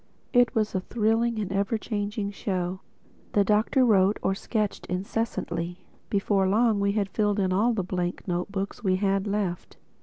It was a thrilling and ever changing show. The Doctor wrote or sketched incessantly. Before long we had filled all the blank note books we had left.